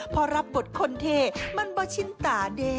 พอรับบทคนเทมันบ่ชินตาเด้